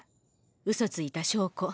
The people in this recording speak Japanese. うそついた証拠。